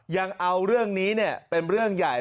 ยังเอาเรื่องนี้ร่วมใหญ่